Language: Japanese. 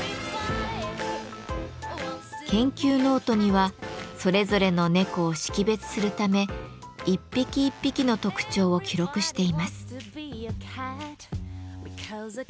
研究ノートにはそれぞれの猫を識別するため１匹１匹の特徴を記録しています。